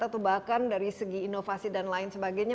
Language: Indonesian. atau bahkan dari segi inovasi dan lain sebagainya